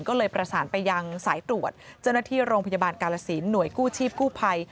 ก็เลยประสานไปยังสายตรวจเจ้าหน้าที่โรงพยาบาลกาลสินหน่วยกู้ชีพกู้ภัย